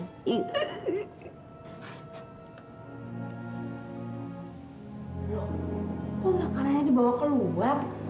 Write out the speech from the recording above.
loh kok nakalanya dibawa keluar